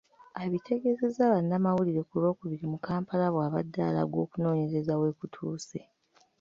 Abitegeezezza bannamawulire ku Lwokubiri mu Kampala bw’abadde alaga okunoonyereza we kutuuse.